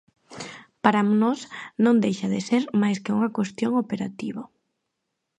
Para nós, non deixa de ser máis que unha cuestión operativa.